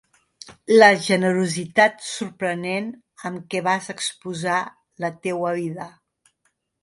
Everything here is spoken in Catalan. La generositat sorprenent amb què vas exposar la teua vida.